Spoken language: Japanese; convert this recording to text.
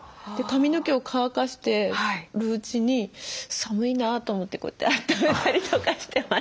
髪の毛を乾かしてるうちに寒いなと思ってこうやってあっためたりとかしてました。